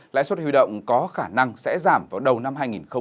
lãi suất huy động có khả năng sẽ giảm vào đầu năm hai nghìn hai mươi